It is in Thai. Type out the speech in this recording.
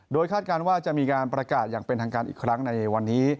โดยคาดการณ์ว่าจะมีการประกาศอย่างเป็นทางการอีกครั้งในวันนี้